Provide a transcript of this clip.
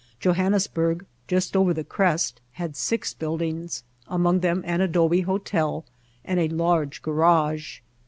Johannesburg, just over the crest, had six build ings, among them an adobe hotel and a large garage.